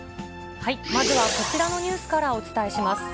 まずはこちらのニュースからお伝えします。